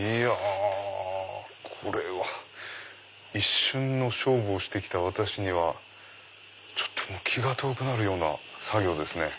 一瞬の勝負をして来た私にはちょっともう気が遠くなるような作業ですね。